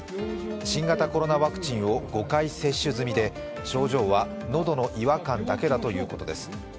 新型コロナワクチンを５回接種済みで症状は喉の違和感だけだということです。